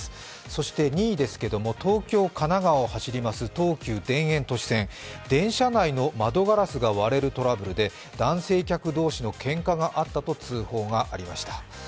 そして２位ですけれども東京、神奈川を走ります東急田園都市線電車内の窓ガラスが割れるトラブルで男性客同士のけんかがあったと通報がありました。